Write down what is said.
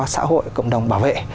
xã hội cộng đồng bảo vệ